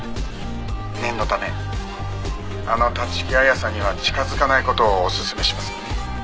「念のためあの立木彩さんには近づかない事をおすすめします」